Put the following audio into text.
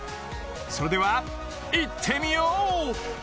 それではいってみよう！